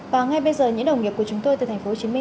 và ngay bây giờ những đồng nghiệp của chúng tôi từ tp hcm